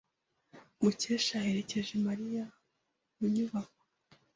Mukesha yaherekeje Mariya mu nyubako.